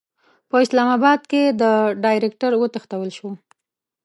په اسلاماباد کې د ډایرکټر وتښتول شو.